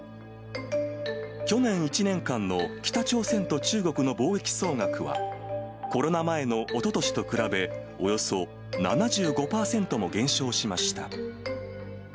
去年１年間の北朝鮮と中国の貿易総額は、コロナ前のおととしと比べ、およそ７５％も減少しました。